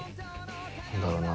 何だろうな。